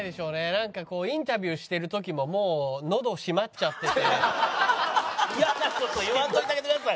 なんかこうインタビューしてる時ももう嫌な事言わんといてあげてください！